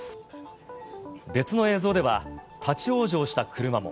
別の映像では、立往生した車も。